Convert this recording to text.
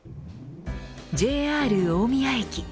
ＪＲ大宮駅。